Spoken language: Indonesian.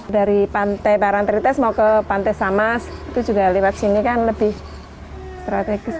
dari pantai paranterites mau ke pantai samas itu juga lewat sini kan lebih strategis